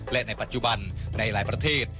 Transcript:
และในปัจจุบันในหลายประเทศ